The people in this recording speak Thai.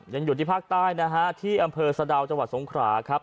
ยังอยู่ที่ภาคใต้นะฮะที่อำเภอสะดาวจังหวัดสงขราครับ